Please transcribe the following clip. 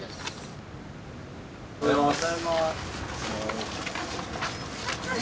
おはようございます。